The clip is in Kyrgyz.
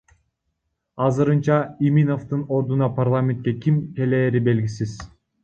Азырынча Иминовдун ордуна парламентке ким клээри белгисиз.